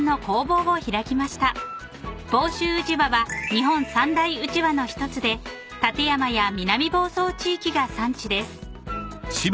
［房州うちわは日本三大うちわの一つで館山や南房総地域が産地です］